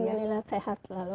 alhamdulillah sehat selalu